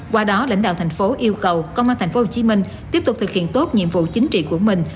qua đó lãnh đạo thành phố yêu cầu công an tp hcm tiếp tục thực hiện tốt nhiệm vụ chính trị của mình